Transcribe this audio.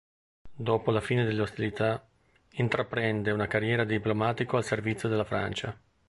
Dopo la fine delle ostilità, intraprende una carriera di diplomatico al servizio della Francia.